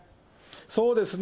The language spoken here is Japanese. そうですね。